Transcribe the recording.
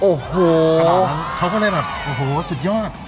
โอ้โหขนาดนั้นเขาก็เลยแบบโอ้โหสุดยอด